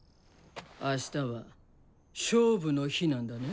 あしたは勝負の日なんだね？